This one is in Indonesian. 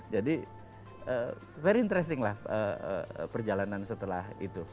jadi very interesting lah perjalanan setelah itu